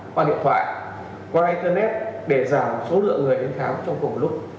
qua điện thoại qua internet để giảm số lượng người đến khám trong cùng một lúc